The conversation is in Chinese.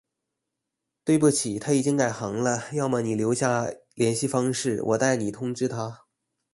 对不起，他已经改行了，要么你留下联系方式，我代你通知他。